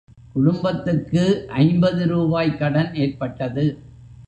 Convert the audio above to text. குடும்பத்துக்கு ஐம்பது ரூபாய் கடன் ஏற்பட்டது.